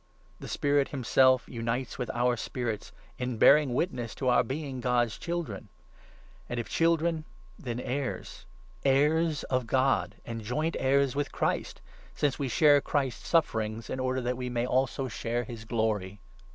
The Spirit himself 16 unites with our spirits in bearing witness to our being God's children, and if children, then heirs — heirs of God, and joint 17 heirs with Christ, since we share Christ's sufferings in order that we may also share his Glory.